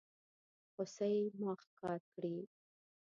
هوسۍ ما ښکار کړي